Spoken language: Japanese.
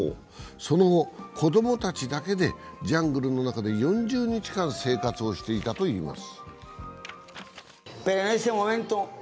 その後、子供たちだけでジャングルの中で４０日間生活をしていたといいます。